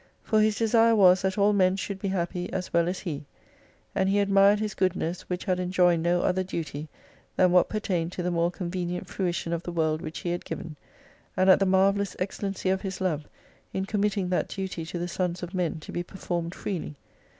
For his desire was that all men should be happy as well as he. And he admired his goodness, which had enjoined no other duty, than what pertained to the more convenient fruition of the world which he had given : and at the marvellous excellency of His love, in committing that duty to the sons of men to be per formed freely.